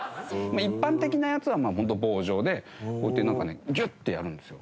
一般的なやつはホント棒状でこうやってなんかねギュッてやるんですよ。